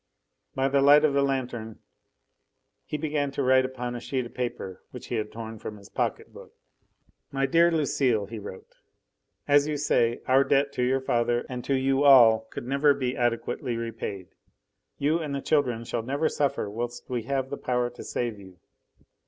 By the light of the lanthorn he began to write upon a sheet of paper which he had torn from his pocket book. "MY DEAR LUCILE," he wrote, "As you say, our debt to your father and to you all never could be adequately repaid. You and the children shall never suffer whilst we have the power to save you.